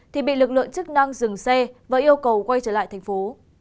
thì bị lực lượng chức năng dừng xe và yêu cầu quay trở lại thành phố